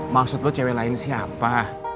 maksud lo cewek lain siapa